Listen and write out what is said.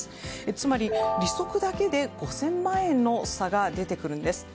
つまり、利息だけで５０００万円の差が出てくるんです。